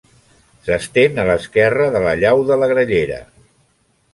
S'estén a l'esquerra de la llau de la Grallera.